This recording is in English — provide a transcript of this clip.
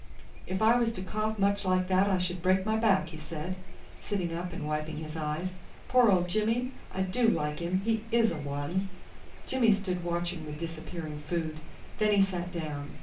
"If I was to cough much like that I should break my back," he said, sitting up and wiping his eyes. "Poor old Jimmy? I do like him. He is a one." Jimmy stood watching the disappearing food, then he sat down.